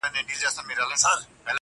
درې ملګري.!